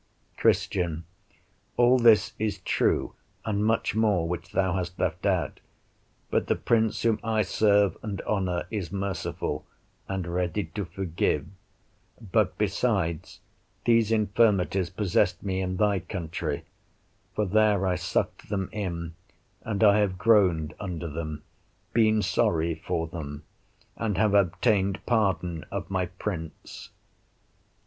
Christian All this is true, and much more which thou hast left out; but the Prince whom I serve and honor is merciful, and ready to forgive; but besides, these infirmities possessed me in thy country, for there I sucked them in, and I have groaned under them, been sorry for them, and have obtained pardon of my Prince.